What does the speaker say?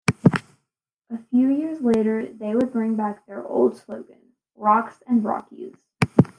A few years latter they would bring back their old slogan Rocks and Rockies.